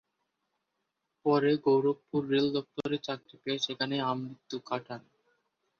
পরে গোরখপুর রেল দপ্তরে চাকরি পেয়ে সেখানেই আমৃত্যু কাটান।